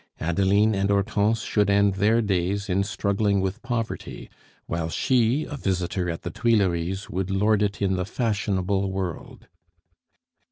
Adeline and Hortense should end their days in struggling with poverty, while she, a visitor at the Tuileries, would lord it in the fashionable world.